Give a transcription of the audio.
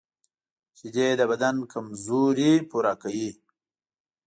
شیدې د بدن کمزوري پوره کوي